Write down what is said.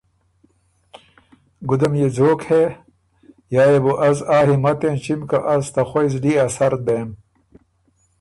ګُده ميې ځوک هې یا يې بو از آ همت اېنچِم که از ته خوئ زلی ا سر دېم؟